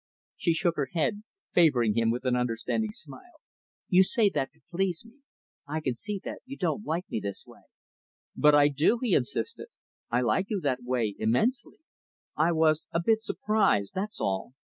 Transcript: She shook her head; favoring him with an understanding smile. "You say that to please me. I can see that you don't like me this way." "But I do," he insisted. "I like you that way, immensely. I was a bit surprised, that's all.